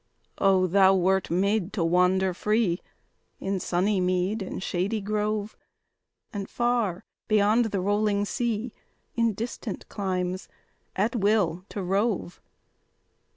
Oh, thou wert made to wander free In sunny mead and shady grove, And far beyond the rolling sea, In distant climes, at will to rove!